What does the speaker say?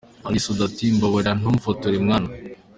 Ally Soudy ati: "Mbabarira ntumfotore mwana!".